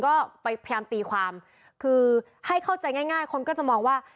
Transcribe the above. ก็ไปพยายามตีความคือให้เข้าใจง่ายคนก็จะมองว่า